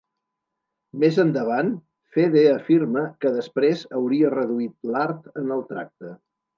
Més endavant, Fede afirma que després hauria reduït l'art en el tracte.